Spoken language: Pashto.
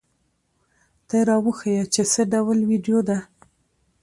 ته را وښیه چې څه ډول ویډیو ده؟